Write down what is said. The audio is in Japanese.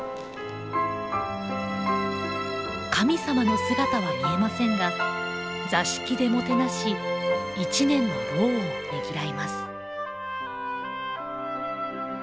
神様の姿は見えませんが座敷でもてなし一年の労をねぎらいます。